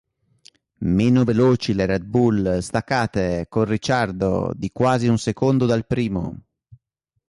Meno veloci le Red Bull, staccate, con Ricciardo, di quasi un secondo dal primo.